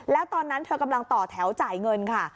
แล้วตอนนั้นเธอกำลังต่อแถวจ่ายเงินค่ะ